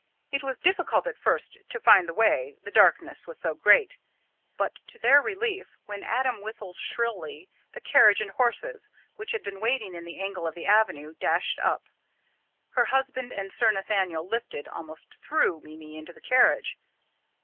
It was difficult at first to find the way, the darkness was so great; but to their relief when Adam whistled shrilly, the carriage and horses, which had been waiting in the angle of the avenue, dashed up. Her husband and Sir Nathaniel lifted almost threw Mimi into the carriage.